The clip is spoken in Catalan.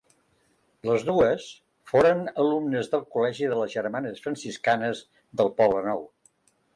Les dues foren alumnes del col·legi de les Germanes Franciscanes del Poblenou.